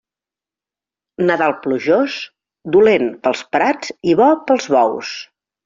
Nadal plujós, dolent per als prats i bo per als bous.